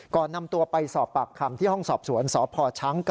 ก่อนนำตัวไปสอบปากคำที่ห้องสอบสวนสพชก